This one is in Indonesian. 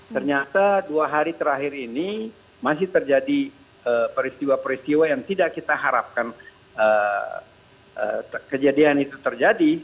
ternyata dua hari terakhir ini masih terjadi peristiwa peristiwa yang tidak kita harapkan kejadian itu terjadi